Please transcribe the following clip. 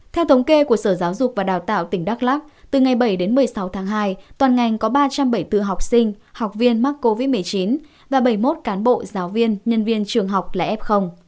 theo thống kê của sở giáo dục và đào tạo tỉnh đắk lắc từ ngày bảy đến một mươi sáu tháng hai toàn ngành có ba trăm bảy mươi bốn học sinh học viên mắc covid một mươi chín và bảy mươi một cán bộ giáo viên nhân viên trường học là f